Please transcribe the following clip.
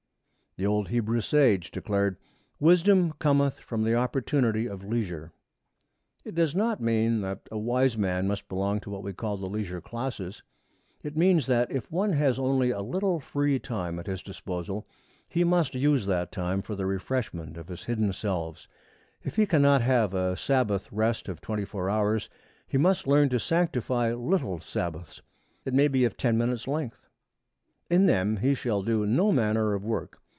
The old Hebrew sage declared, 'Wisdom cometh from the opportunity of leisure.' It does not mean that a wise man must belong to what we call the leisure classes. It means that, if one has only a little free time at his disposal, he must use that time for the refreshment of his hidden selves. If he cannot have a sabbath rest of twenty four hours, he must learn to sanctify little sabbaths, it may be of ten minutes' length. In them he shall do no manner of work.